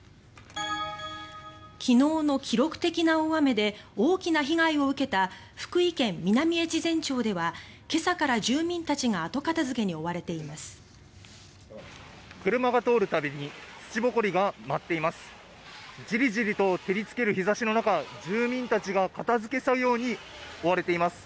昨日の記録的な大雨で大きな被害を受けた福井県南越前町では今朝から住民たちが後片付けに追われています。